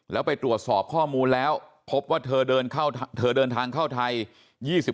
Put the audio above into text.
แล้วไปตรวจสอบข้อมูลแล้วพบว่าเธอเดินทางเข้าไทย